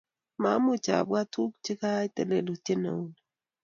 mamuchi apwat tukchekayayte lelutyet neuni